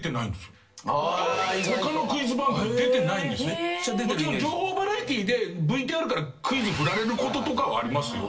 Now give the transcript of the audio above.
もちろん情報バラエティーでＶＴＲからクイズ振られることとかはありますよ。